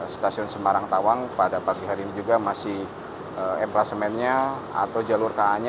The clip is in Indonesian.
stasiun semarang tawang pada pagi hari ini juga masih emplasemennya atau jalur ka nya